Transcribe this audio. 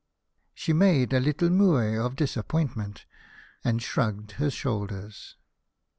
She made a little moue of disappointment, and shrugged her shoulders.